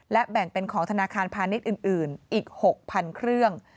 และแบ่งเป็นของธนาคารพาณิชย์อื่นอีก๖๐๐๐เครื่อง